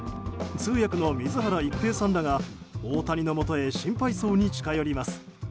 通訳の水原一平さんらが大谷のもとへ心配そうに近寄ります。